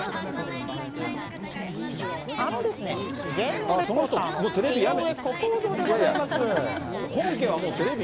あのですね、芸能リポーターの井上小公造でございます。